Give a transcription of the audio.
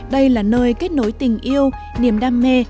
đây là nơi kết nối tình yêu niềm đam mê